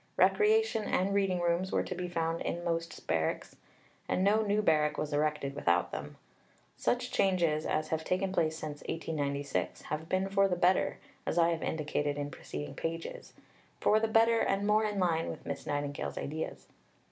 Recreation and reading rooms were to be found in most barracks, and no new barrack was erected without them. Such changes as have taken place since 1896 have been for the better, as I have indicated in preceding pages; for the better, and more in line with Miss Nightingale's ideas.